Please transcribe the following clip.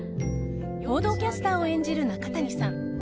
報道キャスターを演じる中谷さん